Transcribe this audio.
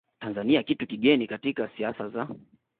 Tanzania kitu kigeni katika siasa za